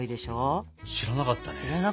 知らなかったね。